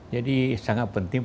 jadi sangat penting